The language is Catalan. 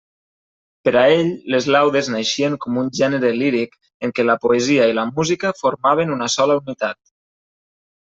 Per a ell les laudes naixien com un gènere líric en què la poesia i la música formaven una sola unitat.